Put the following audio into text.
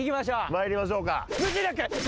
まいりましょうか。